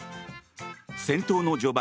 戦闘の序盤